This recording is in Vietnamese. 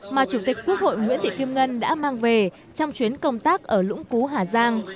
mà chủ tịch quốc hội nguyễn thị kim ngân đã mang về trong chuyến công tác ở lũng cú hà giang